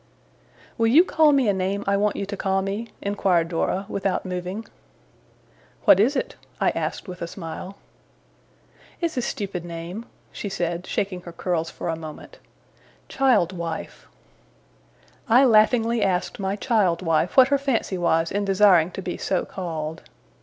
'Will you call me a name I want you to call me?' inquired Dora, without moving. 'What is it?' I asked with a smile. 'It's a stupid name,' she said, shaking her curls for a moment. 'Child wife.' I laughingly asked my child wife what her fancy was in desiring to be so called.